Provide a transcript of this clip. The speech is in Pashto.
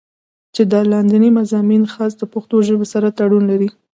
چې دا لانديني مضامين خاص د پښتو ژبې سره تړون لري